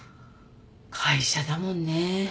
会社だもんね。